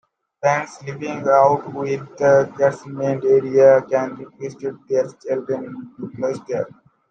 Parents living outwith the catchment area can request that their children be placed there.